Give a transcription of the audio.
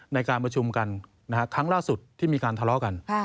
ในการประชุมกันครั้งล่าสุดที่มีการทะเลาะกัน